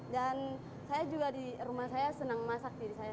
saya juga di rumah saya senang masak diri saya